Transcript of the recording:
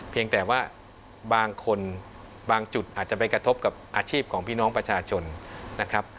เพียงแต่ว่าบางคนบางจุดอาจจะไปกระทบกับอาชีพของพี่น้องประชาชนนะครับ